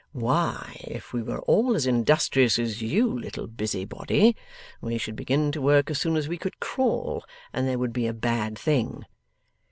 'Why, if we were all as industrious as you, little Busy Body, we should begin to work as soon as we could crawl, and there would be a bad thing!